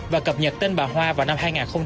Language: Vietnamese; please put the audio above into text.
và cập nhật tên bà hoa vào năm hai nghìn một mươi bảy